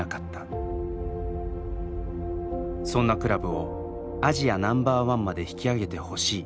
「そんなクラブをアジアナンバーワンまで引き上げてほしい」。